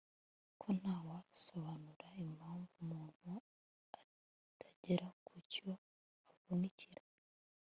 ko nta wasobanura impamvu umuntu atagera ku cyo avunikira